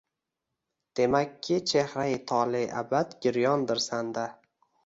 Demakki, chehrai tole abad giryondir sanda